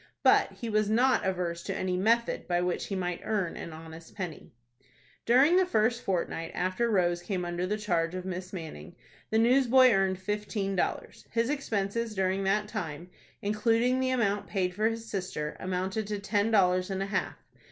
But he was not averse to any method by which he might earn an honest penny. During the first fortnight after Rose came under the charge of Miss Manning, the newsboy earned fifteen dollars. His expenses during that time, including the amount paid for his sister, amounted to ten dollars and a half.